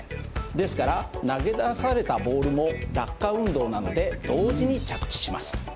ですから投げ出されたボールも落下運動なので同時に着地します。